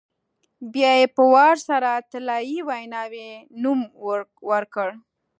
بیا یې په وار سره طلایي ویناوی نوم ورکړ.